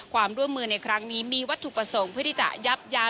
ความร่วมมือในครั้งนี้มีวัตถุประสงค์เพื่อที่จะยับยั้ง